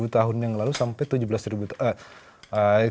empat puluh tahun yang lalu sampai tujuh belas